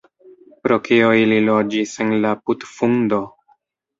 "Pro kio ili loĝis en la putfundo?"